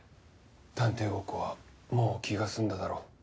探偵ごっこはもう気が済んだだろ。